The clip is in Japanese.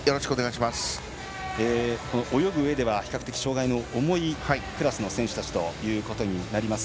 泳ぐうえでは比較的障がいの重いクラスの選手たちということになります。